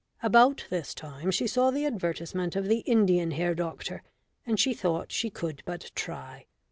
About this time she saw the advertisement of the Indian hair doctor, and she thought she could but try.